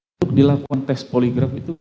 untuk dilakukan tes poligraf itu